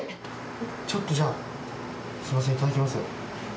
ちょっとじゃあすみませんいただきます。